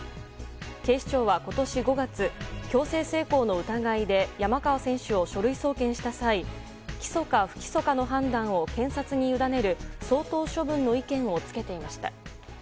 警視庁は、今年５月強制性交の疑いで山川選手を書類送検した際起訴か不起訴かの判断を検察に委ねる相当処分の意見をつけていました。